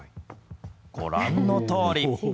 ご覧のとおり。